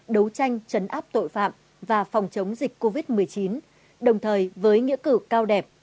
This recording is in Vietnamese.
đấu tranh chấn áp tội phạm và phòng chống dịch covid một mươi chín đồng thời với nghĩa cử cao đẹp